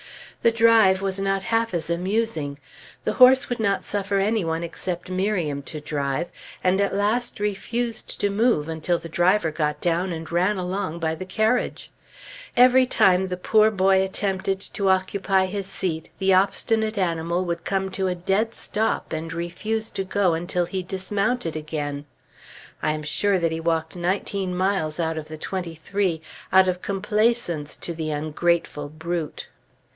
The drive was not half as amusing. The horse would not suffer any one except Miriam to drive, and at last refused to move until the driver got down and ran along by the carriage. Every time the poor boy attempted to occupy his seat, the obstinate animal would come to a dead stop and refuse to go until he dismounted again. I am sure that he walked nineteen miles out of the twenty three, out of complaisance to the ungrateful brute.